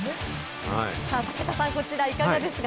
武田さん、こちらいかがですか？